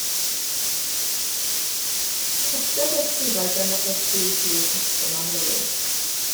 Casgliad o ysgrifau gan Robert Rhys yw Y Patrwm Amryliw.